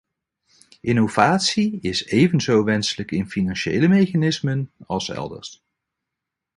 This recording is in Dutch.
Innovatie is evenzo wenselijk in financiële mechanismen als elders.